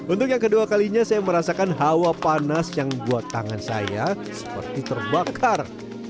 untuk yang kedua kalinya saya merasakan hawa panas yang buat tangan saya seperti terbakar